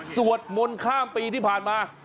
สวดมนต์ข้ามปีที่ผ่านมา